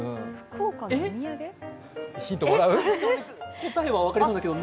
答えは分かったんだけど。